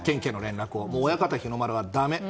親方日の丸はだめ。